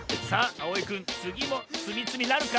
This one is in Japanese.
あおいくんつぎもつみつみなるか？